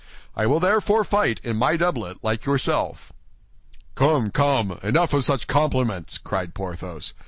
I will therefore fight in my doublet, like yourself." "Come, come, enough of such compliments!" cried Porthos.